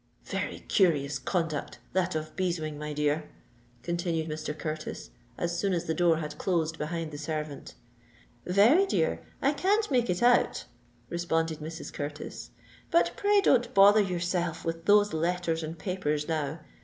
"Very curious conduct, that of Beeswing, my dear?" continued Mr. Curtis, as soon as the door had closed behind the servant. "Very, dear—I can't make it out," responded Mrs. Curtis. "But pray don't bother yourself with those letters and papers now.